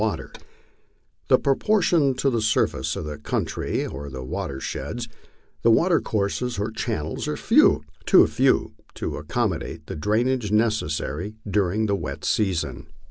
In proportion to the surface of the country or the watersheds, the watercourses or channels are fe\v, too few to accommodate the drainage neces sities during the wet season.